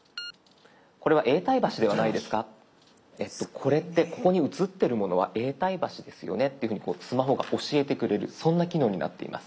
これってここに写ってるものは永代橋ですよねっていうふうにスマホが教えてくれるそんな機能になっています。